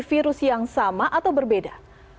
virus yang sama atau berbeda